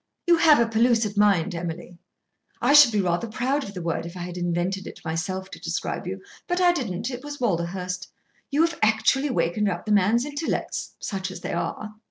You have a pellucid mind, Emily; I should be rather proud of the word if I had invented it myself to describe you. But I didn't. It was Walderhurst. You have actually wakened up the man's intellects, such as they are."